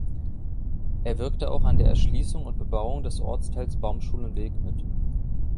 Er wirkte auch an der Erschließung und Bebauung des Ortsteils Baumschulenweg mit.